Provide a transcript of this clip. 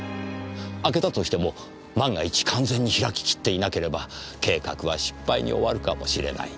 開けたとしても万が一完全に開き切っていなければ計画は失敗に終わるかもしれない。